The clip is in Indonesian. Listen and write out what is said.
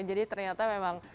jadi ternyata memang